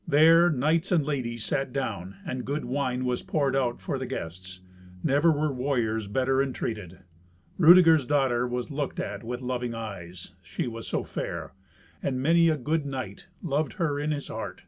There knights and ladies sat down, and good wine was poured out for the guests. Never were warriors better entreated. Rudeger's daughter was looked at with loving eyes, she was so fair; and many a good knight loved her in his heart.